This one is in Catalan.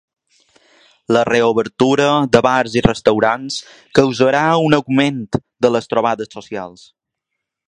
La reobertura de bars i restaurants causarà un augment de les trobades socials.